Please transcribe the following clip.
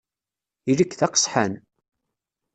Ili-k d aqesḥan!